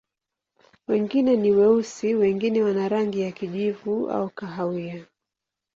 Wengine ni weusi, wengine wana rangi ya kijivu au kahawia.